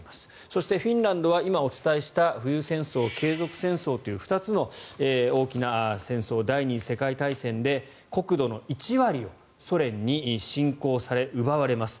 そしてフィンランドは今、お伝えした冬戦争、継続戦争という２つの大きな戦争第２次世界大戦で国土の１割をソ連に侵攻され、奪われます。